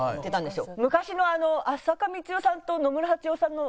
昔の浅香光代さんと野村沙知代さんの。